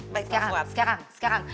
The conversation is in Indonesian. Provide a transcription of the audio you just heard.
baik sekarang sekarang sekarang